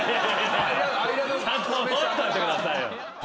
ちゃんと覚えといてくださいよ。